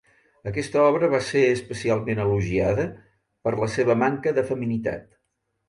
Aquesta obra va ser especialment elogiada per la seva manca de feminitat.